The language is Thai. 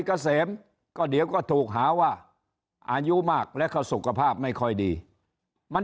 เกษมก็เดี๋ยวก็ถูกหาว่าอายุมากแล้วก็สุขภาพไม่ค่อยดีมัน